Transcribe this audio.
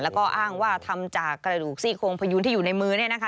แล้วก็อ้างว่าทำจากกระดูกซี่โครงพยูนที่อยู่ในมือ